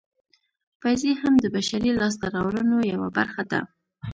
پیسې هم د بشري لاسته راوړنو یوه برخه ده